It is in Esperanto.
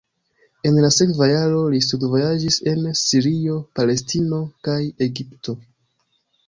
En la sekva jaro li studvojaĝis en Sirio, Palestino kaj Egipto.